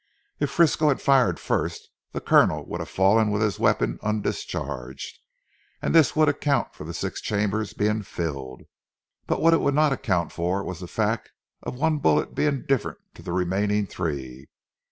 If Frisco had fired first, the Colonel would have fallen with his weapon undischarged, and this would account for the six chambers being filled. But what it would not account for was the fact of one bullet being different to the remaining three.